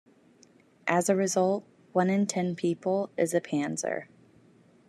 As a result, one in ten people is a panzer.